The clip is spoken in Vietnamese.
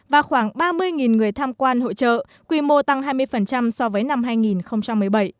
và khoảng ba mươi người tham quan hội trợ quy mô tăng hai mươi so với năm hai nghìn một mươi bảy